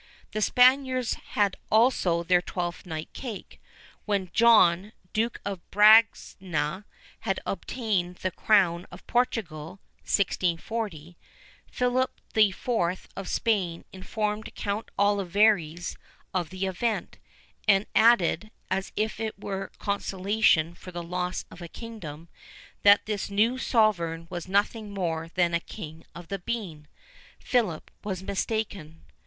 The Spaniards had also their Twelfth night cake. When John, Duke of Braganza, had obtained the crown of Portugal (1640), Philip IV. of Spain informed Count Olivares of the event, and added, as if it were a consolation for the loss of a kingdom, that this new sovereign was nothing more than a "king of the bean."[VIII 18] Philip was mistaken.